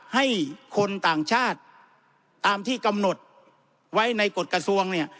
ให้คนต่างชาติตามที่กำหนดไว้ในกฎกระทรวงเนี่ย